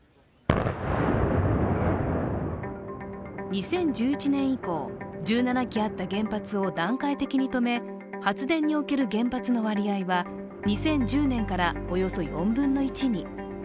２０１１年以降、１７基あった原発を段階的に止め、発電における原発の割合は２０１０年からおよそ４分の１に。